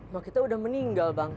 makita udah meninggal bang